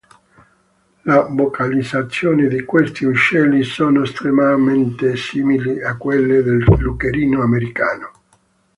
Le vocalizzazioni di questi uccelli sono estremamente simili a quelle del lucherino americano.